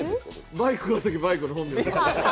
バイク川崎バイクの本名です。